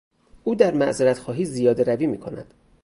او در معذرت خواهی زیادهروی میکند.